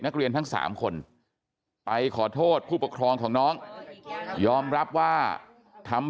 นักเรียนทั้ง๓คนไปขอโทษผู้ปกครองของน้องยอมรับว่าทำ